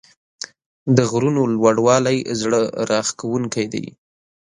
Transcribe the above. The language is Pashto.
د غرونو لوړوالی زړه راښکونکی دی.